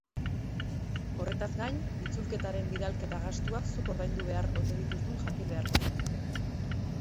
Horretaz gain, itzulketaren bidalketa-gastuak zuk ordaindu behar ote dituzun jakin beharko zenuke.